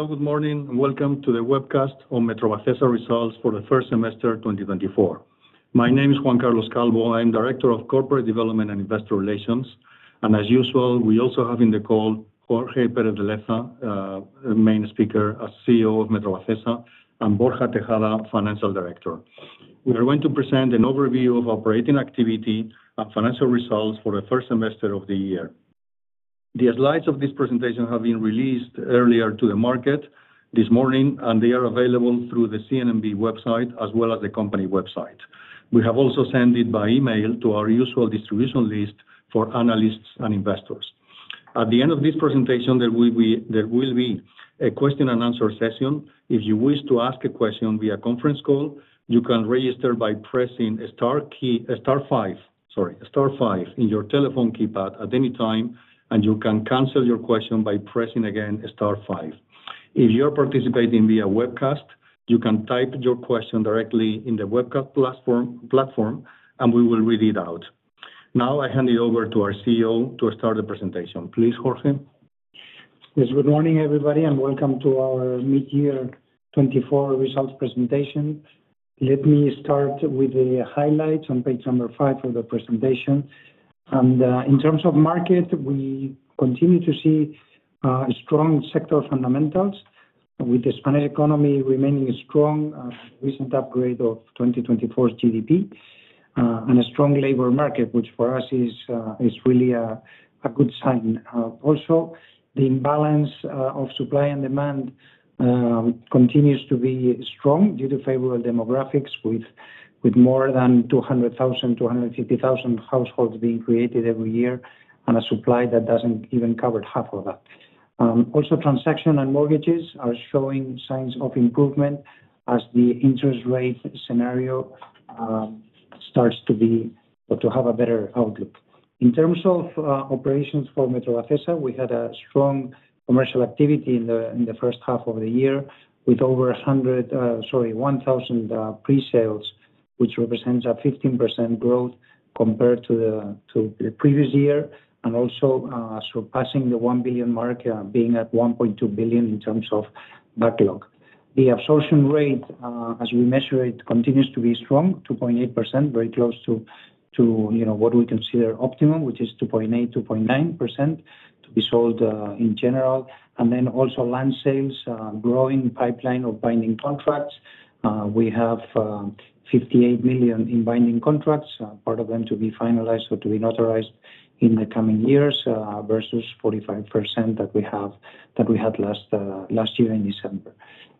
Hello, good morning, and welcome to the webcast on Metrovacesa results for the first semester, 2024. My name is Juan Carlos Calvo. I'm Director of Corporate Development and Investor Relations, and as usual, we also have in the call, Jorge Pérez de Leza, main speaker, as CEO of Metrovacesa, and Borja Tejada, Financial Director. We are going to present an overview of operating activity and financial results for the first semester of the year. The slides of this presentation have been released earlier to the market this morning, and they are available through the CNMV website, as well as the company website. We have also sent it by email to our usual distribution list for analysts and investors. At the end of this presentation, there will be a question and answer session. If you wish to ask a question via conference call, you can register by pressing star key, star five, sorry, star five in your telephone keypad at any time, and you can cancel your question by pressing again, star five. If you're participating via webcast, you can type your question directly in the webcast platform, and we will read it out. Now, I hand it over to our CEO to start the presentation. Please, Jorge. Yes, good morning, everybody, and welcome to our mid-year 2024 results presentation. Let me start with the highlights on page 5 of the presentation. In terms of market, we continue to see strong sector fundamentals with the Spanish economy remaining strong, a recent upgrade of 2024's GDP, and a strong labor market, which for us is really a good sign. Also, the imbalance of supply and demand continues to be strong due to favorable demographics, with more than 200,000, 250,000 households being created every year, and a supply that doesn't even cover half of that. Also, transactions and mortgages are showing signs of improvement as the interest rate scenario starts to have a better outlook. In terms of operations for Metrovacesa, we had a strong commercial activity in the first half of the year, with over a hundred, sorry, 1,000 pre-sales, which represents a 15% growth compared to the previous year, and also surpassing the 1 billion mark, being at 1.2 billion in terms of backlog. The absorption rate, as we measure it, continues to be strong, 2.8%, very close to, you know, what we consider optimum, which is 2.8%-2.9%, to be sold in general. And then also land sales, growing pipeline of binding contracts We have 58 million in binding contracts, part of them to be finalized or to be notarized in the coming years, versus 45% that we have, that we had last year in December.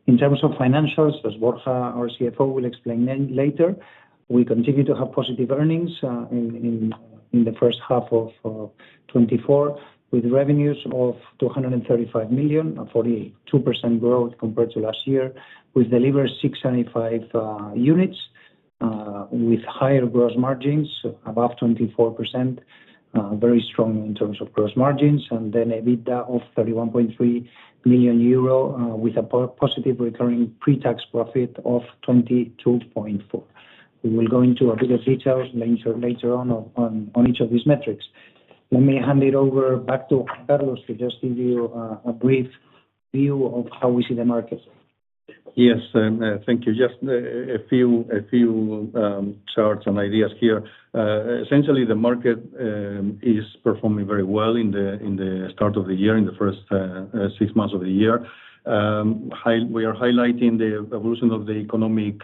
In terms of financials, as Borja, our CFO, will explain then, later, we continue to have positive earnings in the first half of 2024, with revenues of 235 million, a 42% growth compared to last year. We delivered 675 units with higher gross margins, above 24%, very strong in terms of gross margins, and then EBITDA of 31.3 million euro, with a positive recurring pre-tax profit of 22.4 million. We will go into bigger details later on each of these metrics. Let me hand it over back to Juan Carlos to just give you a brief view of how we see the market. Yes, and, thank you. Just a few charts and ideas here. Essentially, the market is performing very well in the start of the year, in the first six months of the year. We are highlighting the evolution of the economic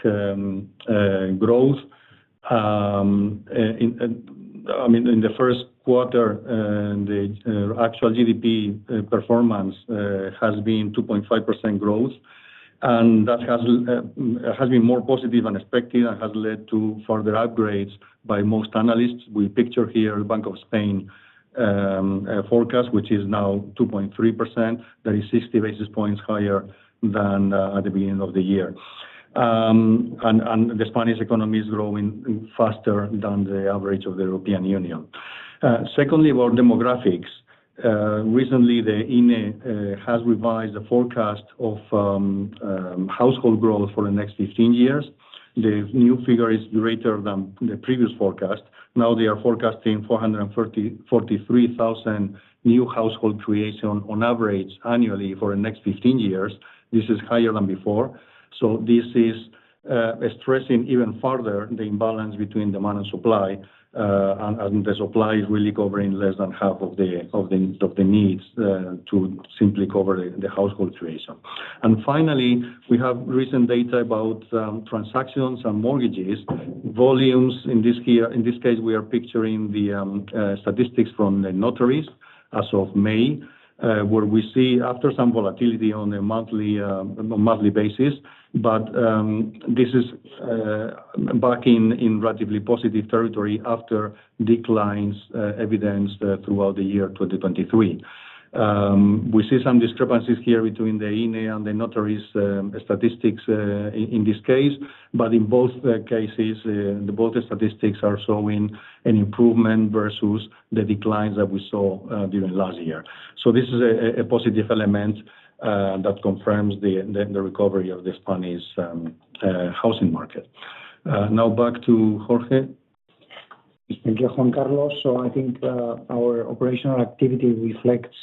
growth. I mean, in the first quarter, the actual GDP performance has been 2.5% growth, and that has been more positive than expected and has led to further upgrades by most analysts. We picture here Bank of Spain forecast, which is now 2.3%. That is 60 basis points higher than at the beginning of the year. And the Spanish economy is growing faster than the average of the European Union. Secondly, about demographics. Recently, the INE has revised the forecast of household growth for the next 15 years. The new figure is greater than the previous forecast. Now they are forecasting 443,000 new household creation on average annually for the next 15 years. This is higher than before. So this is stressing even further the imbalance between demand and supply, and the supply is really covering less than half of the needs to simply cover the household creation. And finally, we have recent data about transactions and mortgages. Volumes in this case, we are picturing the statistics from the notaries as of May, where we see after some volatility on a monthly basis, but this is back in relatively positive territory after declines evidenced throughout the year 2023. We see some discrepancies here between the INE and the notaries statistics, in this case, but in both cases, both the statistics are showing an improvement versus the declines that we saw during last year. So this is a positive element that confirms the recovery of the Spanish housing market. Now back to Jorge.... Thank you, Juan Carlos. So I think our operational activity reflects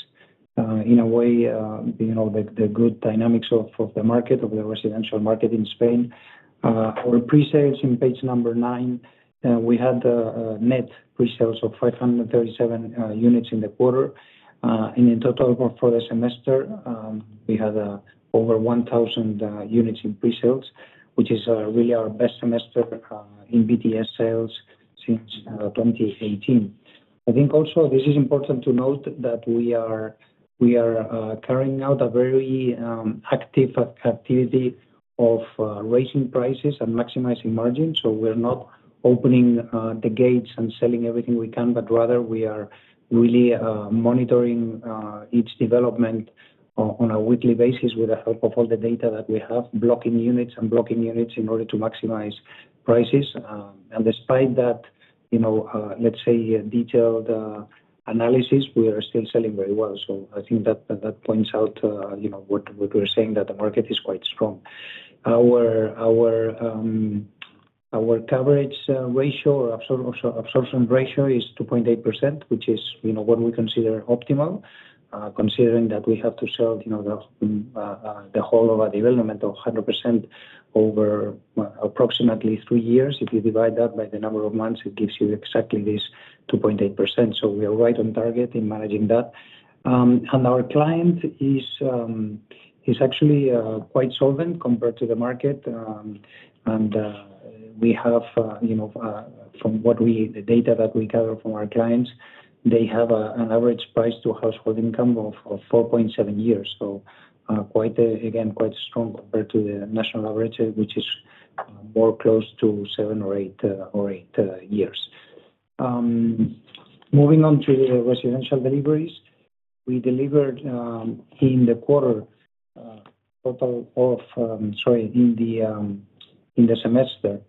in a way you know the good dynamics of the market of the residential market in Spain. Our pre-sales in page number nine we had a net pre-sales of 537 units in the quarter. And in total for the semester we had over 1,000 units in pre-sales which is really our best semester in BTS sales since 2018. I think also this is important to note that we are carrying out a very active activity of raising prices and maximizing margins. So we're not opening the gates and selling everything we can, but rather we are really monitoring each development on a weekly basis with the help of all the data that we have, blocking units and blocking units in order to maximize prices. And despite that, you know, let's say, detailed analysis, we are still selling very well. So I think that, that points out, you know, what, what we're saying, that the market is quite strong. Our, our, our coverage ratio, or absorption ratio is 2.8%, which is, you know, what we consider optimal, considering that we have to sell, you know, the, the whole of our development of 100% over approximately three years. If you divide that by the number of months, it gives you exactly this 2.8%. So we are right on target in managing that. And our client is actually quite solvent compared to the market. And we have, you know, from what we... The data that we gather from our clients, they have an average price to household income of 4.7 years. So, quite, again, quite strong compared to the national average, which is more close to 7 or 8, or 8 years. Moving on to the residential deliveries. We delivered, in the quarter, total of... Sorry, in the semester,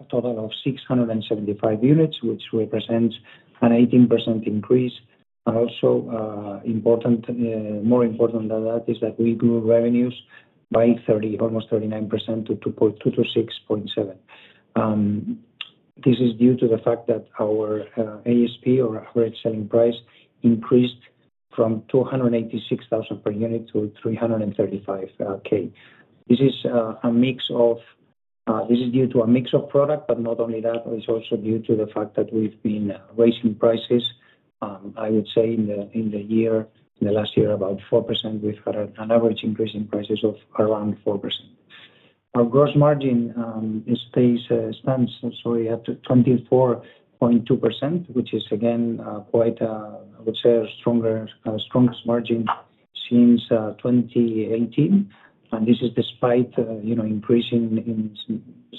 a total of 675 units, which represents an 18% increase. More important than that is that we grew revenues by almost 39% to 206.7 million. This is due to the fact that our ASP or average selling price increased from 286,000 per unit to 335,000. This is due to a mix of product, but not only that, it's also due to the fact that we've been raising prices, I would say, in the last year, about 4%. We've had an average increase in prices of around 4%. Our gross margin stands at 24.2%, which is again quite, I would say, the strongest margin since 2018. This is despite, you know,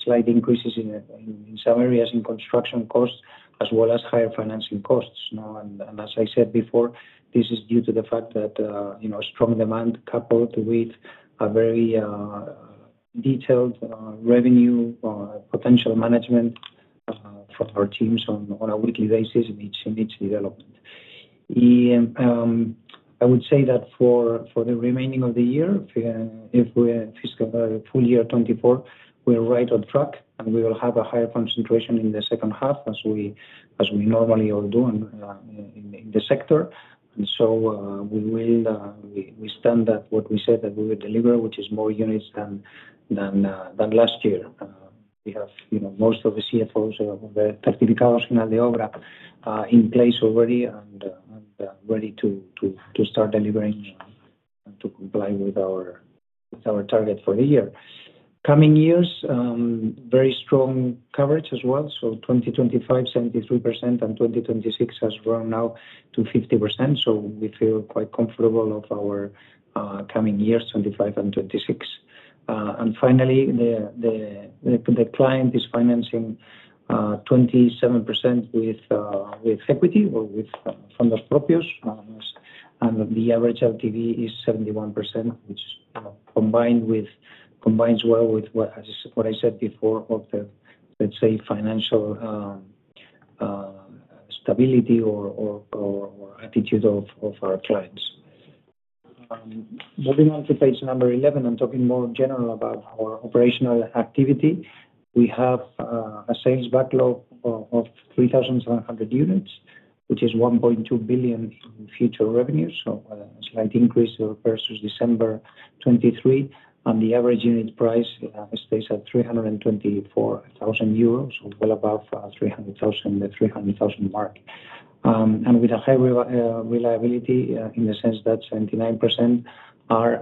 slight increases in some areas in construction costs, as well as higher financing costs. You know, as I said before, this is due to the fact that, you know, strong demand coupled with a very detailed revenue potential management from our teams on a weekly basis in each development. I would say that for the remaining of the year, if we're fiscal full year 2024, we're right on track, and we will have a higher concentration in the second half, as we normally all do in the sector. So, we will stand at what we said that we would deliver, which is more units than last year. We have, you know, most of the CFOs in place already and ready to start delivering and to comply with our target for the year. Coming years, very strong coverage as well, so 2025, 73%, and 2026 has grown now to 50%, so we feel quite comfortable of our coming years, 2025 and 2026. And finally, the client is financing 27% with equity or with, and the average LTV is 71%, which combines well with what I said before, of the, let's say, financial stability or aptitude of our clients. Moving on to page 11, I'm talking more general about our operational activity. We have a sales backlog of 3,700 units, which is 1.2 billion in future revenues, so a slight increase versus December 2023. The average unit price stays at 324,000 euros, so well above 300,000, the 300,000 mark. With a high reliability in the sense that 79% are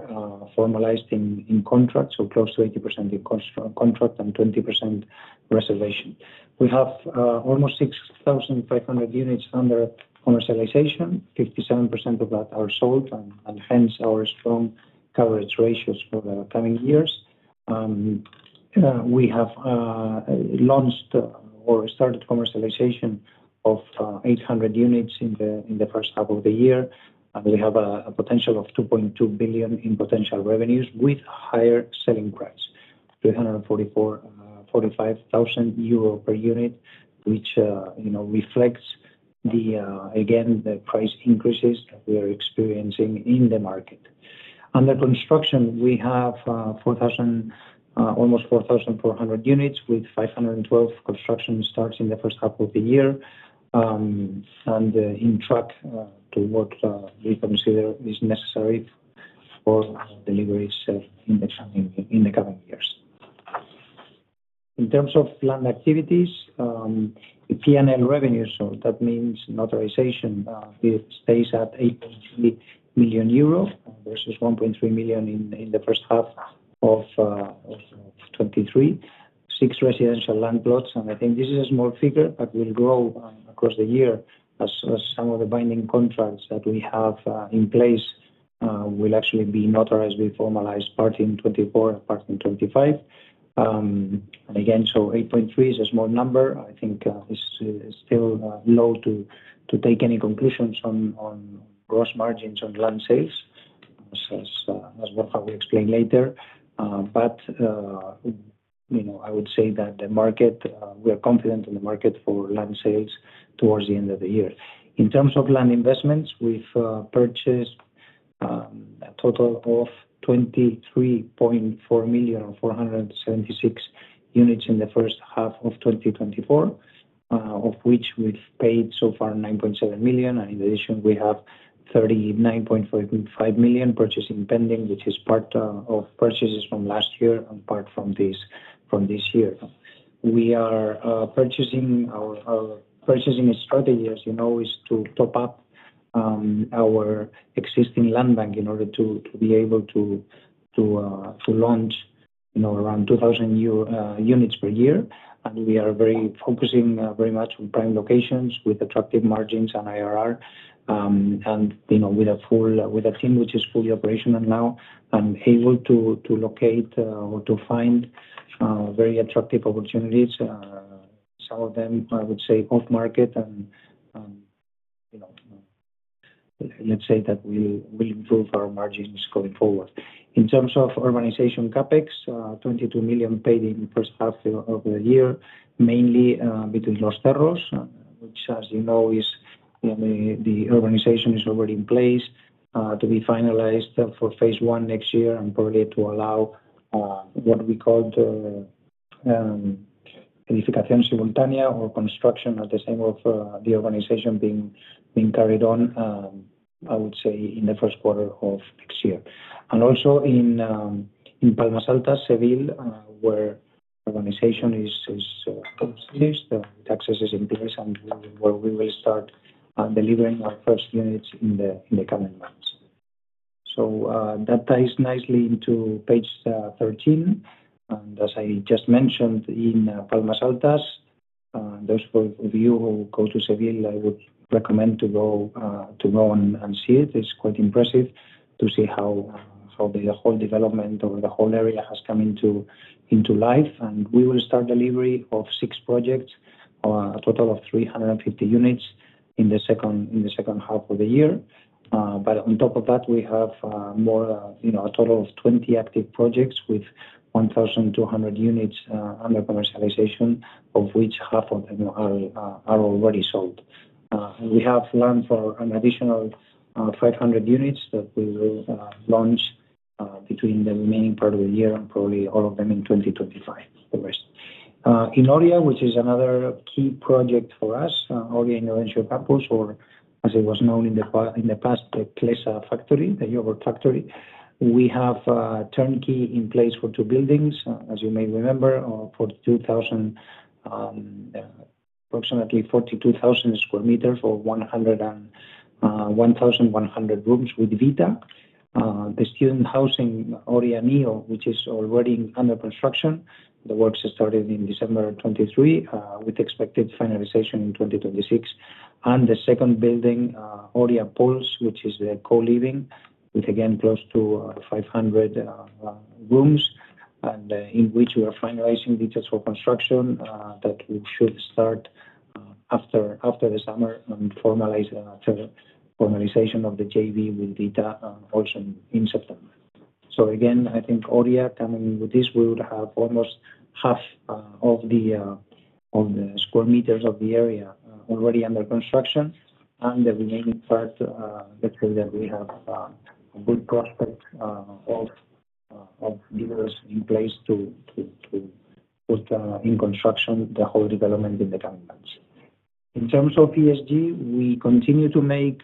formalized in contract, so close to 80% in contract and 20% reservation. We have almost 6,500 units under commercialization. 57% of that are sold, and hence our strong coverage ratios for the coming years. We have launched or started commercialization of 800 units in the first half of the year, and we have a potential of 2.2 billion in potential revenues with higher selling price, 344,000-345,000 euro per unit, which, you know, reflects the, again, the price increases that we are experiencing in the market. Under construction, we have almost 4,400 units, with 512 construction starts in the first half of the year. And on track to what we consider is necessary for our deliveries in the coming years. In terms of land activities, the P&L revenue, so that means notarization, it stays at 8.3 million euro, versus 1.3 million in the first half of 2023. Six residential land plots, and I think this is a small figure, but will grow across the year as some of the binding contracts that we have in place will actually be notarized. We formalized part in 2024 and part in 2025. Again, so 8.3 is a small number. I think, it's still low to take any conclusions on gross margins on land sales, as what I will explain later. But, you know, I would say that the market, we are confident in the market for land sales towards the end of the year. In terms of land investments, we've purchased a total of 23.4 million and 476 units in the first half of 2024, of which we've paid so far 9.7 million. And in addition, we have 39.45 million purchasing pending, which is part of purchases from last year and part from this, from this year. We are purchasing our purchasing strategy, as you know, is to top up our existing land bank in order to be able to launch, you know, around 2,000 units per year. And we are very focusing very much on prime locations with attractive margins and IRR. You know, with a full, with a team which is fully operational now, and able to locate or to find very attractive opportunities. Some of them, I would say, off market and, you know, let's say that we will improve our margins going forward. In terms of urbanization CapEx, 22 million paid in the first half of the year, mainly between Los Cerros, which, as you know, is, you know, the urbanization is already in place to be finalized for phase one next year. And probably to allow what we call the Edificación Simultánea, or construction at the same of the urbanization being carried on, I would say, in the first quarter of next year. And also in Palmas Altas, Seville, where urbanization is at least the taxes is in place, and where we will start delivering our first units in the coming months. So, that ties nicely into page 13. And as I just mentioned, in Palmas Altas, those of you who go to Seville, I would recommend to go and see it. It's quite impressive to see how the whole development or the whole area has come into life. And we will start delivery of six projects, or a total of 350 units, in the second half of the year. But on top of that, we have, you know, a total of 20 active projects with 1,200 units under commercialization, of which half of them are already sold. We have land for an additional 500 units that we will launch between the remaining part of the year and probably all of them in 2025, the rest. In Oria, which is another key project for us, Oria Innovation Campus, or as it was known in the past, the Clesa factory, the yogurt factory. We have turnkey in place for 2 buildings, as you may remember, 42,000, approximately 42,000 square meters, or 1,100 rooms with Vita. The student housing, Oria Neo, which is already under construction. The works started in December 2023 with expected finalization in 2026. The second building, Oria Pulse, which is the co-living, with, again, close to 500 rooms, and in which we are finalizing details for construction that we should start after the summer, and formalize formalization of the JV with Vita also in September. So again, I think Oria, coming in with this, we would have almost half of the square meters of the area already under construction. The remaining parts, let's say that we have a good prospect of in place to put in construction the whole development in the coming months. In terms of ESG, we continue to make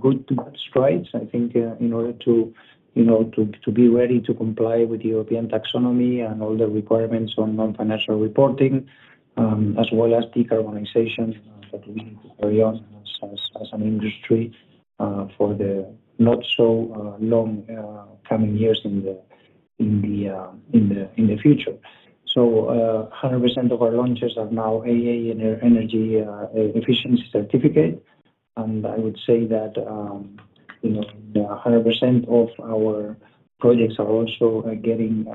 good strides, I think, in order to, you know, to be ready to comply with the European Taxonomy and all the requirements on non-financial reporting, as well as decarbonization, that we need to carry on as an industry, for the not so long coming years in the future. So, 100% of our launches are now AA in their energy efficiency certificate. And I would say that, you know, 100% of our projects are also getting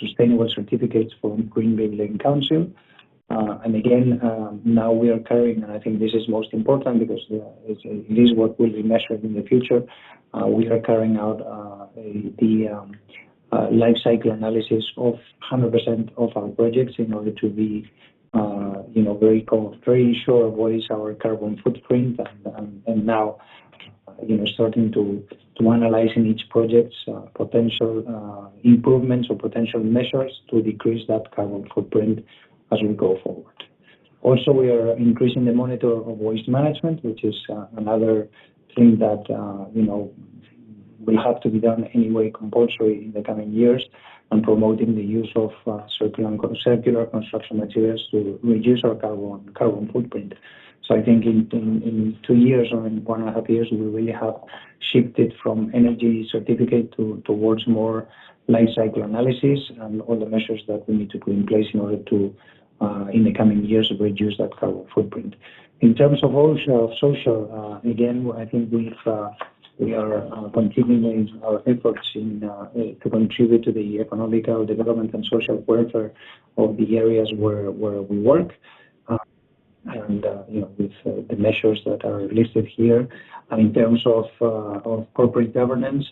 sustainable certificates from Green Building Council. And again, now we are carrying, and I think this is most important because, it is what will be measured in the future. We are carrying out a life cycle analysis of 100% of our projects in order to be, you know, very sure of what is our carbon footprint. And now, you know, starting to analyzing each project's potential improvements or potential measures to decrease that carbon footprint as we go forward. Also, we are increasing the monitor of waste management, which is another thing that, you know, will have to be done anyway, compulsory in the coming years, and promoting the use of circular and circular construction materials to reduce our carbon, carbon footprint. So I think in two years or in one and a half years, we really have shifted from energy certificate towards more life cycle analysis and all the measures that we need to put in place in order to in the coming years, reduce that carbon footprint. In terms of also social, again, I think we are continuing our efforts to contribute to the economical development and social welfare of the areas where we work. You know, with the measures that are listed here. In terms of corporate governance,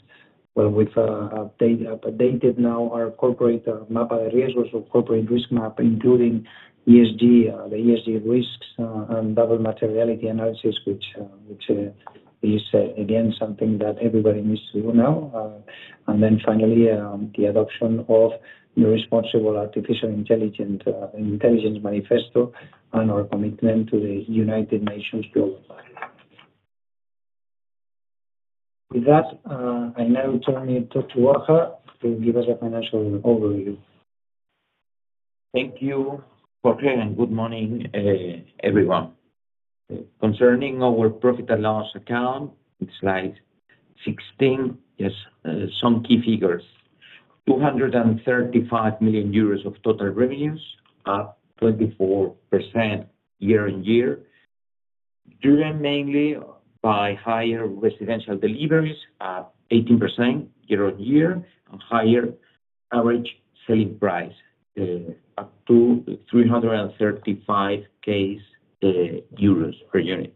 well, we've updated now our corporate map of areas risk or corporate risk map, including ESG, the ESG risks, and double materiality analysis, which is, again, something that everybody needs to know. Finally, the adoption of the Responsible Artificial Intelligence Manifesto and our commitment to the United Nations Global Compact. With that, I now turn it to Borja to give us a financial overview. Thank you, Jorge, and good morning, everyone. Concerning our profit and loss account, it's slide 16. Yes, some key figures. 235 million euros of total revenues, up 24% year-on-year, driven mainly by higher residential deliveries, up 18% year-on-year, and higher average selling price, up to 335,000 euros per unit,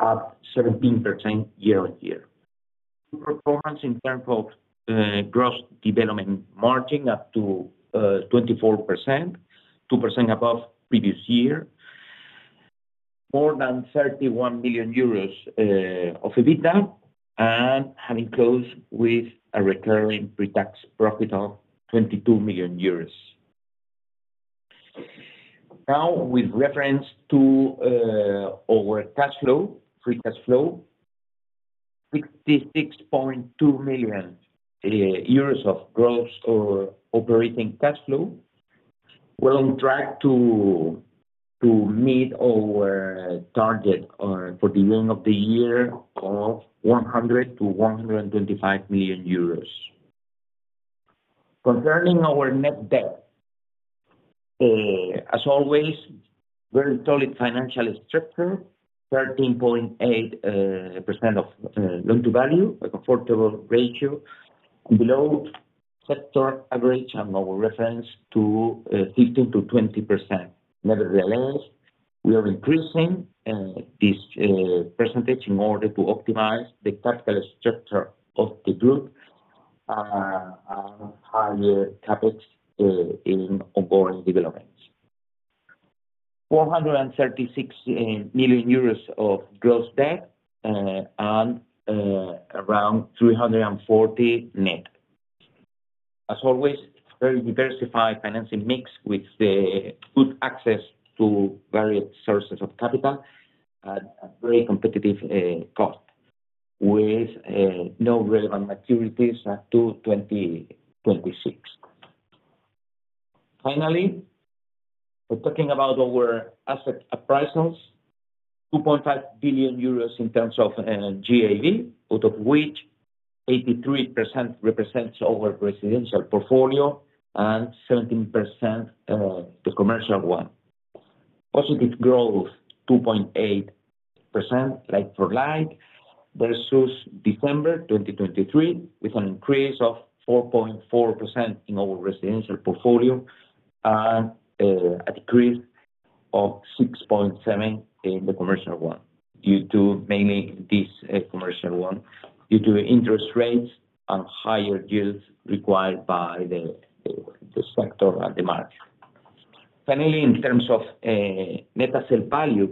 up 17% year-on-year. Good performance in terms of gross development margin, up to 24%, 2% above previous year. More than 31 million euros of EBITDA, and having closed with a recurring pre-tax profit of 22 million euros. Now, with reference to our cash flow, free cash flow, 66.2 million euros of gross or operating cash flow. We're on track to meet our target for the end of the year of 100 million-125 million euros. Concerning our net debt, as always, very solid financial structure, 13.8% loan-to-value, a comfortable ratio, and below sector average and our reference to 15%-20%. Nevertheless, we are increasing this percentage in order to optimize the capital structure of the group, higher CapEx in ongoing developments. 436 million euros of gross debt, and around 340 net. As always, very diversified financing mix with the good access to various sources of capital at a very competitive cost, with no relevant maturities up to 2026. Finally, we're talking about our asset appraisals, 2.5 billion euros in terms of GAV, out of which 83% represents our residential portfolio and 17% the commercial one. Positive growth, 2.8% like for like, versus December 2023, with an increase of 4.4% in our residential portfolio and a decrease of 6.7% in the commercial one, due to mainly this commercial one, due to interest rates and higher yields required by the sector and the market. Finally, in terms of net asset value,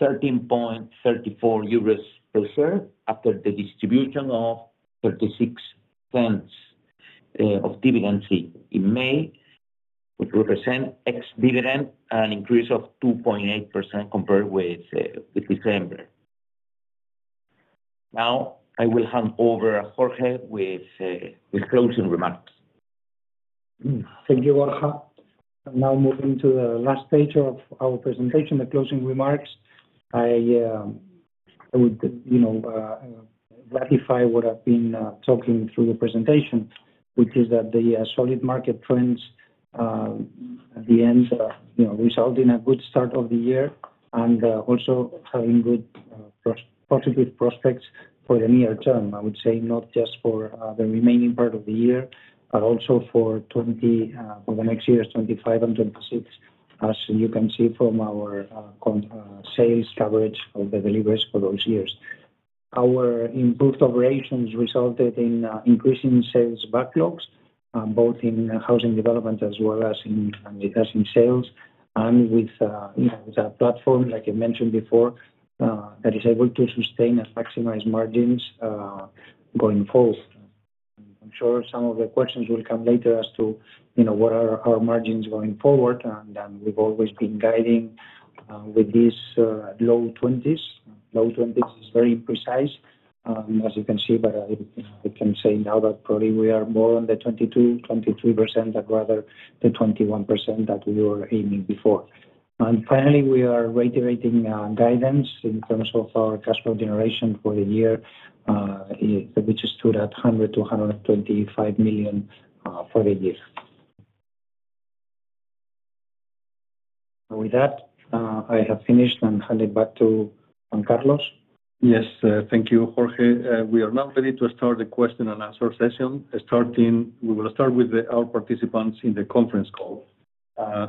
13.34 euros per share, after the distribution of 0.36 of dividend in May, which represent ex-dividend, an increase of 2.8% compared with December 2023. Now, I will hand over Jorge with closing remarks. Thank you, Borja. And now moving to the last page of our presentation, the closing remarks. I would, you know, ratify what I've been talking through the presentation, which is that the solid market trends at the end you know result in a good start of the year, and also having good positive prospects for the near term. I would say not just for the remaining part of the year, but also for 2024, for the next years, 2025 and 2026, as you can see from our sales coverage of the deliveries for those years. Our improved operations resulted in increasing sales backlogs both in housing development as well as in sales, and with, you know, with our platform, like I mentioned before, that is able to sustain and maximize margins going forward. I'm sure some of the questions will come later as to, you know, what are our margins going forward, and we've always been guiding with these low twenties. Low twenties is very precise, as you can see, but I, I can say now that probably we are more on the 22%-23%, but rather the 21% that we were aiming before. And finally, we are reiterating guidance in terms of our cash flow generation for the year, which is stood at 100 million-125 million for the year. With that, I have finished and hand it back to Juan Carlos. Yes, thank you, Jorge. We are now ready to start the question and answer session. Starting—We will start with the, our participants in the conference call,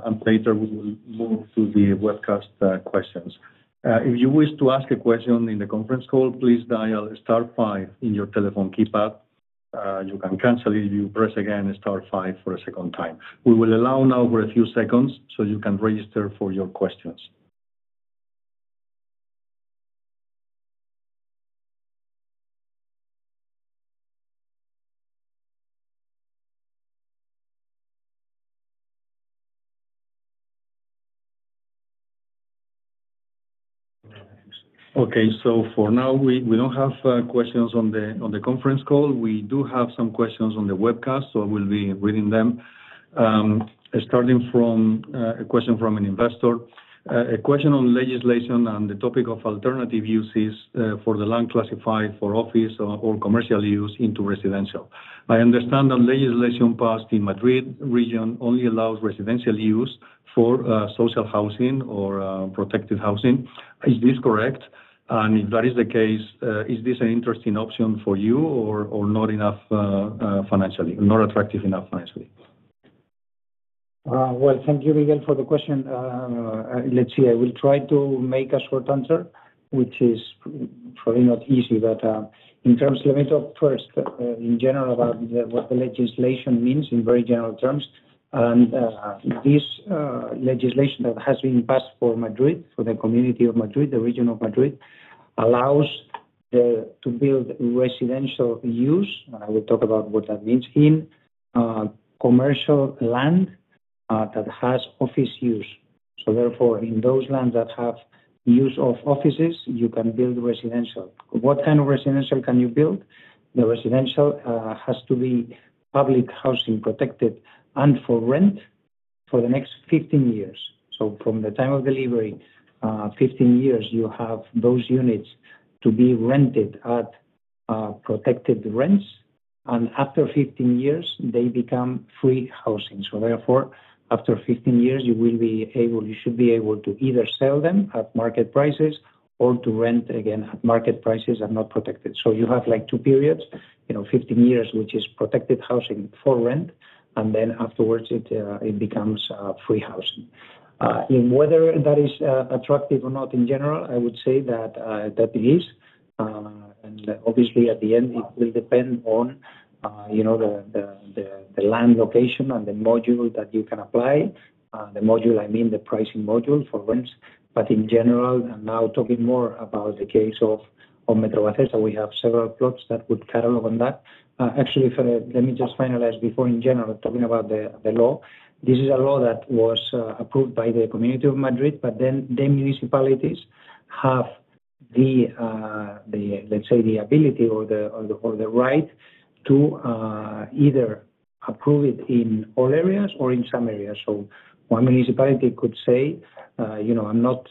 and later we will move to the webcast, questions. If you wish to ask a question in the conference call, please dial star five in your telephone keypad. You can cancel it if you press again star five for a second time. We will allow now for a few seconds, so you can register for your questions. Okay. So for now, we, we don't have, questions on the, on the conference call. We do have some questions on the webcast, so we'll be reading them. Starting from, a question from an investor. A question on legislation and the topic of alternative uses for the land classified for office or commercial use into residential. I understand that legislation passed in Madrid region only allows residential use for social housing or protected housing. Is this correct? And if that is the case, is this an interesting option for you or not enough financially, not attractive enough financially? Well, thank you, Miguel, for the question. Let's see. I will try to make a short answer, which is probably not easy, but, in terms of, let me talk first, in general about the, what the legislation means in very general terms. This legislation that has been passed for Madrid, for the Community of Madrid, the region of Madrid, allows the, to build residential use, and I will talk about what that means in, commercial land, that has office use. So therefore, in those lands that have use of offices, you can build residential. What kind of residential can you build? The residential has to be public housing, protected, and for rent for the next 15 years. So from the time of delivery, 15 years, you have those units to be rented at protected rents, and after 15 years, they become free housing. So therefore, after 15 years, you should be able to either sell them at market prices or to rent again at market prices and not protected. So you have, like, two periods, you know, 15 years, which is protected housing for rent, and then afterwards it becomes free housing. And whether that is attractive or not, in general, I would say that it is. And obviously at the end it will depend on, you know, the land location and the module that you can apply. The module, I mean, the pricing module for rents. But in general, and now talking more about the case of Metrovacesa, we have several plots that would catalog on that. Actually, let me just finalize before in general, talking about the law. This is a law that was approved by the Community of Madrid, but then the municipalities have the, let's say, the ability or the right to either approve it in all areas or in some areas. So one municipality could say, you know, "I'm not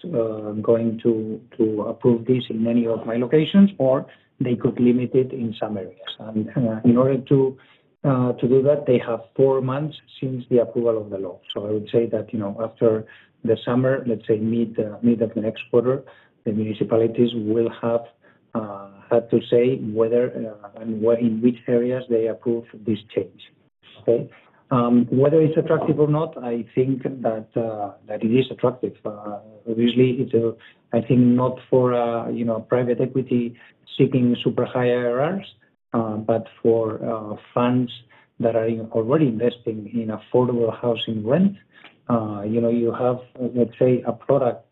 going to approve this in any of my locations," or they could limit it in some areas. And in order to do that, they have four months since the approval of the law. So I would say that, you know, after the summer, let's say mid, mid of the next quarter, the municipalities will have to say whether and what, in which areas they approve this change. Okay? Whether it's attractive or not, I think that it is attractive. Usually it's, I think, not for, you know, private equity seeking super high IRRs, but for funds that are already investing in affordable housing rent. You know, you have, let's say, a product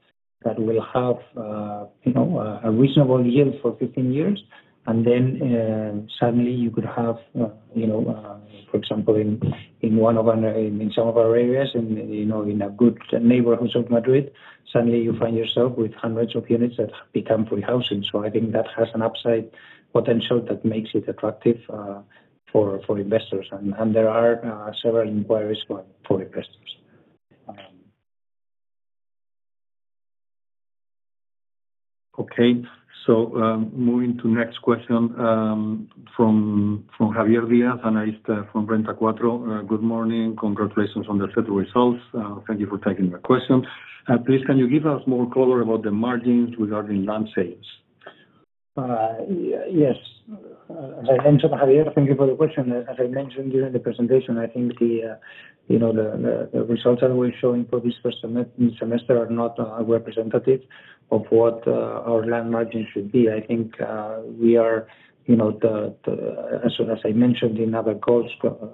that will have, you know, a reasonable yield for 15 years, and then suddenly you could have, you know, for example, in one of our, in some of our areas, in, you know, in a good neighborhoods of Madrid, suddenly you find yourself with hundreds of units that become free housing. So I think that has an upside potential that makes it attractive for investors. And there are several inquiries for investors. Okay. So, moving to next question, from Javier Díaz, analyst from Renta 4. Good morning. Congratulations on the financial results. Thank you for taking my question. Please, can you give us more color about the margins regarding land sales?... yes, as I mentioned, Javier, thank you for the question. As I mentioned during the presentation, I think you know, the results that we're showing for this first semester are not representative of what our land margin should be. I think we are, you know, as I mentioned in other calls,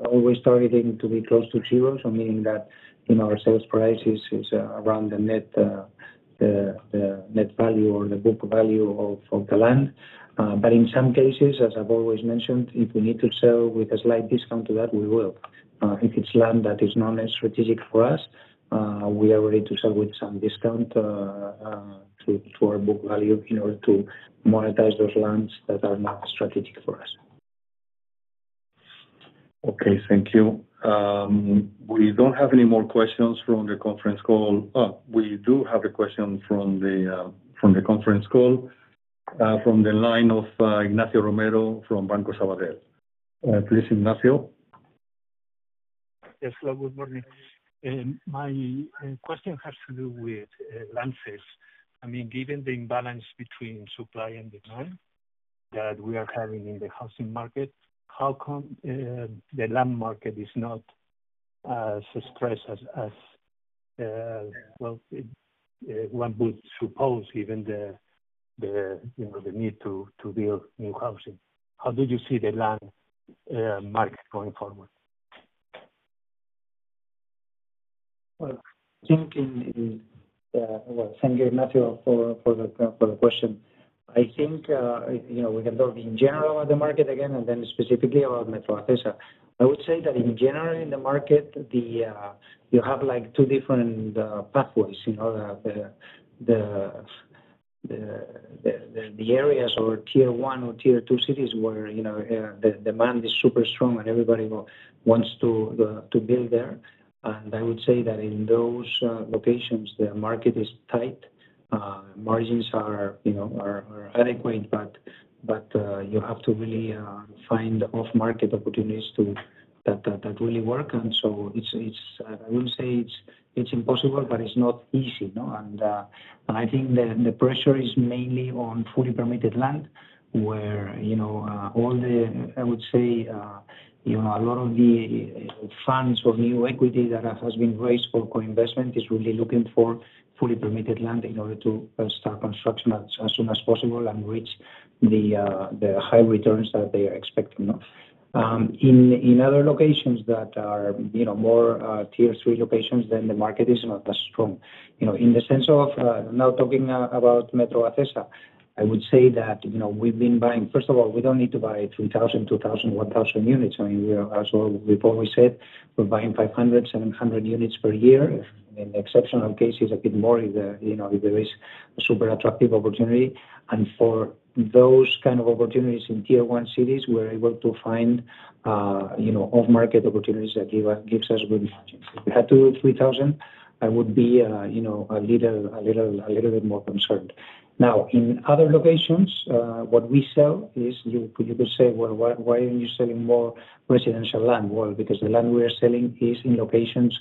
always targeting to be close to zero. So meaning that, you know, our sales price is around the net, the net value or the book value of the land. But in some cases, as I've always mentioned, if we need to sell with a slight discount to that, we will. If it's land that is not as strategic for us, we are ready to sell with some discount to our book value in order to monetize those lands that are not strategic for us. Okay, thank you. We don't have any more questions from the conference call. We do have a question from the conference call, from the line of Ignacio Romero from Banco Sabadell. Please, Ignacio. Yes, hello. Good morning. My question has to do with land sales. I mean, given the imbalance between supply and demand that we are having in the housing market, how come the land market is not as stressed as well, one would suppose, given the you know, the need to build new housing? How do you see the land market going forward? Well, thank you, Ignacio, for the question. I think, you know, we can talk in general about the market again, and then specifically about Metrovacesa. I would say that in general, in the market, you have, like, two different pathways, you know, the areas or tier one or tier two cities where, you know, the demand is super strong and everybody wants to build there. And I would say that in those locations, the market is tight. Margins are, you know, adequate, but you have to really find off-market opportunities to that really work. And so it's, I wouldn't say it's impossible, but it's not easy, you know? I think the pressure is mainly on fully permitted land where, you know, all the, I would say, you know, a lot of the funds or new equity that has been raised for co-investment is really looking for fully permitted land in order to start construction as soon as possible and reach the high returns that they are expecting, no? In other locations that are, you know, more tier three locations, then the market is not as strong. You know, in the sense of, now talking about Metrovacesa, I would say that, you know, we've been buying. First of all, we don't need to buy 3,000, 2,000, 1,000 units. I mean, we are, as we've always said, we're buying 500, 700 units per year. In exceptional cases, a bit more if there, you know, if there is a super attractive opportunity. For those kind of opportunities in tier one cities, we're able to find, you know, off-market opportunities that gives us good margins. If we had 2 or 3000, I would be, you know, a little, a little, a little bit more concerned. Now, in other locations, what we sell is, you could say, "Well, why aren't you selling more residential land?" Well, because the land we are selling is in locations,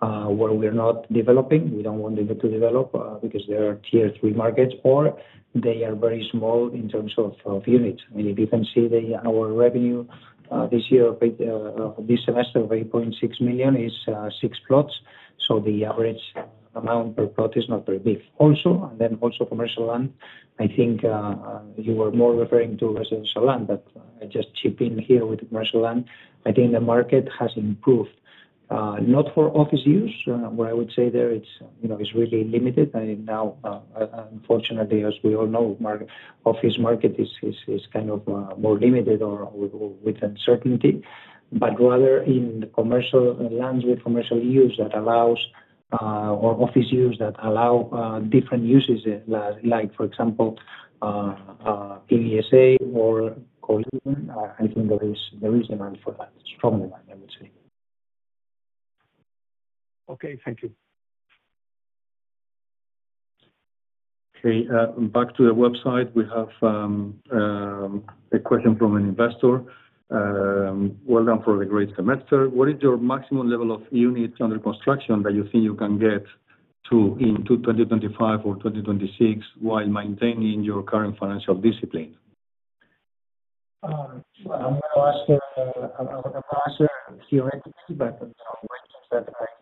where we are not developing. We don't want them to develop, because they are tier three markets, or they are very small in terms of units. I mean, you can see the, our revenue this year, this semester of 8.6 million is 6 plots, so the average amount per plot is not very big. Also, and then also commercial land, I think, you were more referring to residential land, but I just chip in here with commercial land. I think the market has improved, not for office use, where I would say there it's, you know, it's really limited. I mean, now, unfortunately, as we all know, office market is kind of more limited or with uncertainty, but rather in the commercial lands with commercial use that allows or office use that allow different uses, like, for example, PBSA or co-living, I think there is demand for that. Strong demand, I would say. Okay, thank you. Okay, back to the website. We have a question from an investor. Well done for the great semester. What is your maximum level of units under construction that you think you can get to in 2025 or 2026 while maintaining your current financial discipline?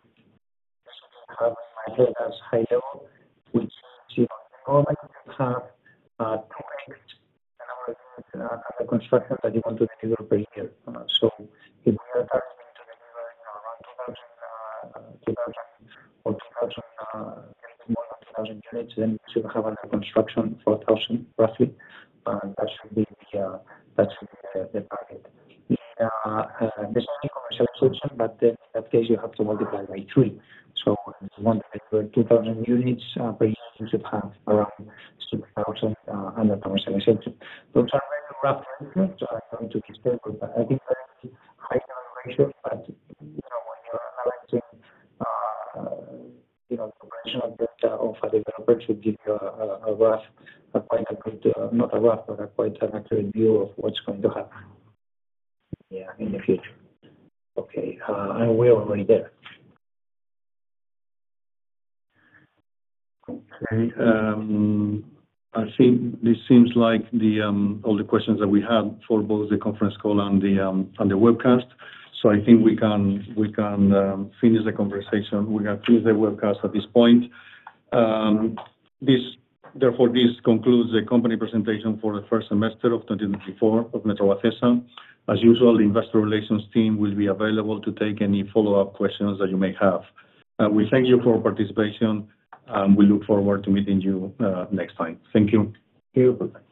then we should have under construction 4000, roughly, and that should be the target. but in that case, you have to multiply by three. So multiply 2000 units per year, you should have around 6000 under construction. So it's a very rough estimate, so I want to, but I think that's high level ratio, you know, commercial data of a should give you a, a rough, a quite accurate, not a rough, but a quite accurate view of what's going to happen, yeah, in the future. Okay, and we're already there. Okay, I think this seems like the all the questions that we have for both the conference call and the, and the webcast. So I think we can, we can, finish the conversation. We can finish the webcast at this point. This... Therefore, this concludes the company presentation for the first semester of 2024 of Metrovacesa. As usual, the investor relations team will be available to take any follow-up questions that you may have. We thank you for your participation, and we look forward to meeting you, next time. Thank you. Thank you.